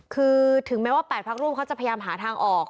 คือถึงแม้ว่า๘พักร่วมเขาจะพยายามหาทางออก